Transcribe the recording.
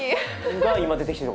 が今出てきてる。